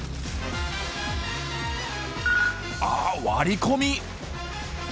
あっ割り込み！